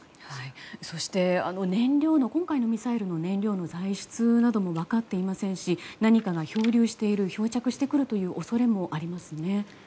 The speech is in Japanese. そして今回のミサイルの燃料の材質なども分かっていませんし何かが漂流する、漂着してくる恐れもありますね。